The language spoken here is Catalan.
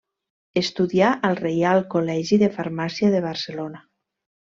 Estudià al Reial Col·legi de Farmàcia de Barcelona.